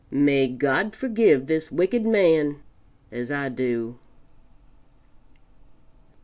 May God forgive this wicked man as I do.